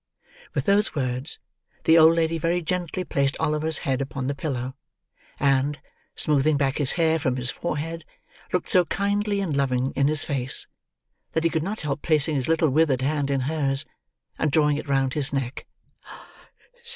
With those words, the old lady very gently placed Oliver's head upon the pillow; and, smoothing back his hair from his forehead, looked so kindly and loving in his face, that he could not help placing his little withered hand in hers, and drawing it round his neck.